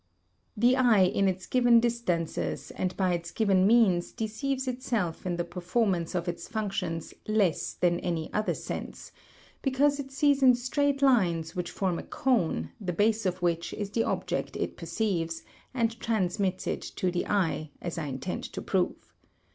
The eye in its given distances and by its given means deceives itself in the performance of its functions less than any other sense, because it sees in straight lines which form a cone, the base of which is the object it perceives, and transmits it to the eye, as I intend to prove.